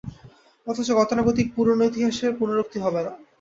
অথচ গতানুগতিক পুরোনো ইতিহাসের পুনরুক্তি হবে না।